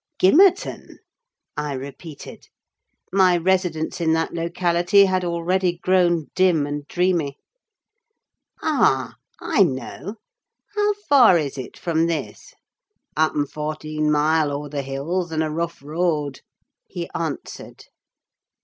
"Gimmerton?" I repeated—my residence in that locality had already grown dim and dreamy. "Ah! I know. How far is it from this?" "Happen fourteen mile o'er th' hills; and a rough road," he answered.